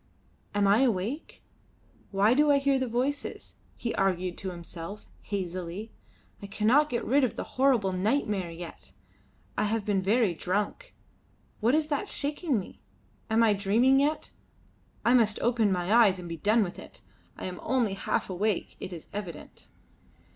"Am I awake? Why do I hear the voices?" he argued to himself, hazily. "I cannot get rid of the horrible nightmare yet. I have been very drunk. What is that shaking me? I am dreaming yet I must open my eyes and be done with it. I am only half awake, it is evident."